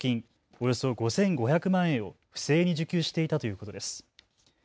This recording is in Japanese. およそ５５００万円を不正に受給していたということです。